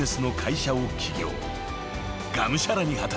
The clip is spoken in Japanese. ［がむしゃらに働いた］